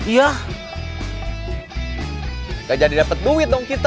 nggak jadi dapat duit dong kita